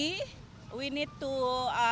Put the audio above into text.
bebas kita harusnya